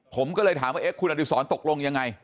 ผมก็เลยถามว่าเอ๊ะคุณอดิษรตกลงยังไง